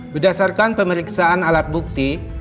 berdasarkan pemeriksaan alat bukti